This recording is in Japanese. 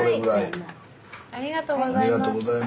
ありがとうございます。